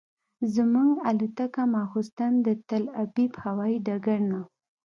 زموږ الوتکه ماسخوتن د تل ابیب هوایي ډګر نه.